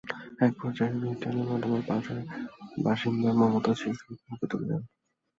একপর্যায়ে ভিড় ঠেলে নর্দমার পাশের বাসিন্দা মমতাজ শিশুটিকে বুকে তুলে নেন।